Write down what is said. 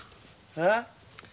えっ。